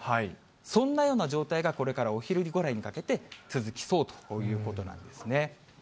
そんなような状態が、これからお昼ぐらいにかけて続きそうということなんですね。